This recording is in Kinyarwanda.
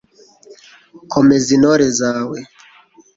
komeza intore zawe